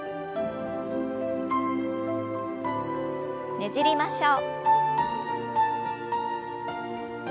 ねじりましょう。